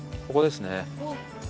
ここです。